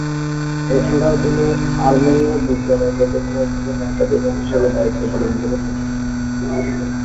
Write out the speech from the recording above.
এছাড়াও তিনি আর্মেনীয় বিজ্ঞান একাডেমির একজন একাডেমিক হিসেবে দায়িত্ব পালন করেছেন।